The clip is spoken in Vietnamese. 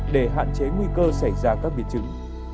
để hạn chế nguy cơ xảy ra các biến chứng